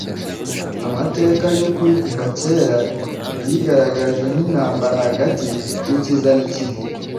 Amateka y’ukuri kuva kera yigaragaje nk’intambara hagati y’icyiza n’ikibi.